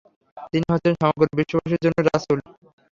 তিনি হচ্ছেন সমগ্র বিশ্ববাসীর জন্যে রাসূল।